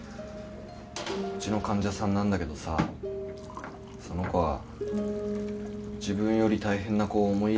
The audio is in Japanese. うちの患者さんなんだけどさその子は自分より大変な子を思いやれるんだよ。